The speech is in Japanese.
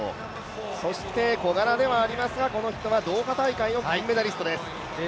そして小柄ではありますが、この人はドーハ大会の金メダリストです。